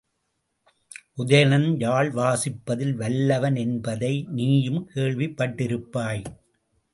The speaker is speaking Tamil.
உதயணன் யாழ் வாசிப்பில் வல்லவன் என்பதை நீயும் கேள்விப் பட்டிருப்பாய்!